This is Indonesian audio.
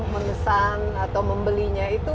menesan atau membelinya itu